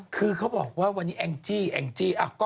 คือเขาบอกว่าวันนี้แองจี้แองจี้อ้าวกล้อง